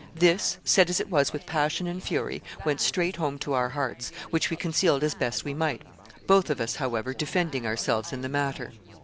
This, said as it was with passion and fury, went straight home to our hearts, which we concealed as best we might, both of us, however, defending ourselves in the matter.